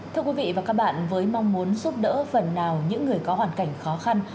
thưa quý vị và các bạn với mong muốn giúp đỡ phần nào những người có hoàn cảnh khó khăn